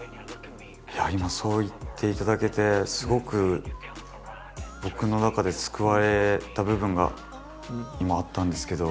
今そう言っていただけてすごく僕の中で救われた部分が今あったんですけど。